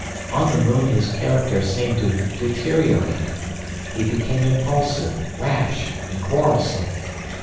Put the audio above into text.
On the moon his character seemed to deteriorate. He became impulsive, rash, and quarrelsome.